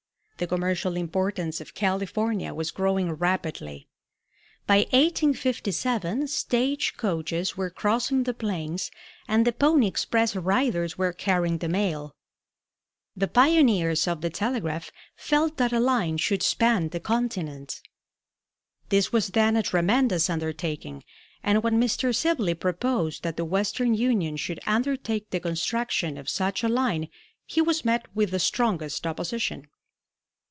The commercial importance of California was growing rapidly. By 1857 stage coaches were crossing the plains and the pony express riders were carrying the mail. The pioneers of the telegraph felt that a line should span the continent. This was then a tremendous undertaking, and when Mr. Sibley proposed that the Western Union should undertake the construction of such a line he was met with the strongest opposition.